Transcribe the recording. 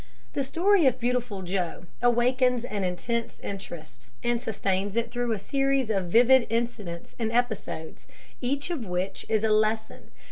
The story of "Beautiful Joe" awakens an intense interest, and sustains it through a series of vivid incidents and episodes, each of which is a lesson.